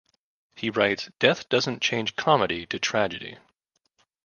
He writes Death doesn't change comedy to tragedy.